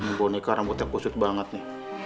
ini boneka rambutnya kusut banget nih